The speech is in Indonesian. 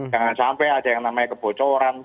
jangan sampai ada yang namanya kebocoran